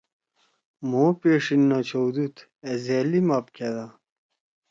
مھو پیݜیِن نہ چھؤدُود أ ظألم آپ کھیدا